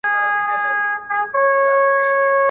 د اجل د ساقي ږغ ژوندون ته دام وو -